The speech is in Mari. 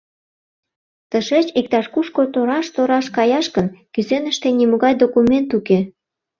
Тышеч иктаж-кушко тораш-тораш каяш гын, кӱсеныште нимогай документ уке.